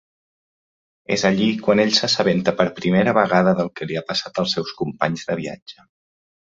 És allí quan ell s'assabenta per primera vegada del que li ha passat als seus companys de viatge.